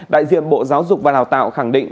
đại diện bộ giáo dục và đào tạo khẳng định